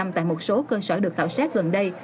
tại một số cơ sở được khảo sát gần đây